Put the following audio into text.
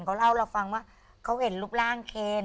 เขาเล่าให้เราฟังว่าเขาเห็นรูปร่างเคน